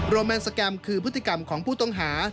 โรแมนส์สแกมคือพฤติกรรมของพุทธงศาสตร์